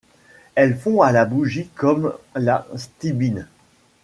Elle fond à la bougie comme la stibine.